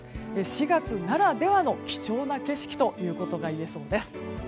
４月ならではの貴重な景色ということがいえそうです。